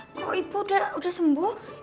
kok ibu udah sembuh